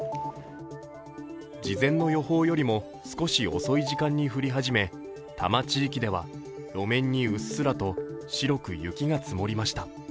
事前の予想よりも少し遅い時間に降り始め多摩地域では路面にうっすらと白く雪が積もりました。